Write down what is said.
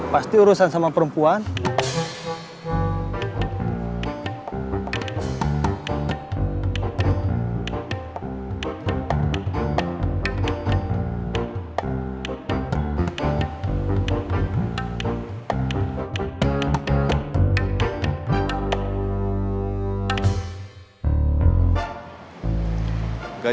pasti urusan sama perempuan